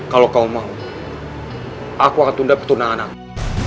kalau kau mau aku akan tunda pertunangan aku